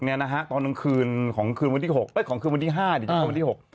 ตอนตอนนักคืนของคืนวันที่๕จากวันที่๖